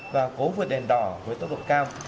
và cố vượt đèn đỏ với tốc độ cao